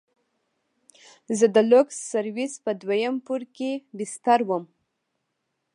زه د لوکس سرويس په دويم پوړ کښې بستر وم.